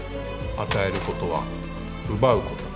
与えることは奪うこと。